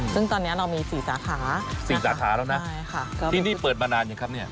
ซึ่งตอนนี้เรามี๔สาขาสี่สาขาแล้วนะใช่ค่ะครับที่นี่เปิดมานานยังครับเนี่ย